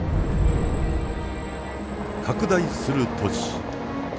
拡大する都市。